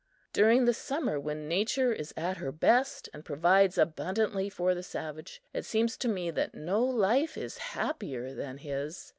During the summer, when Nature is at her best, and provides abundantly for the savage, it seems to me that no life is happier than his!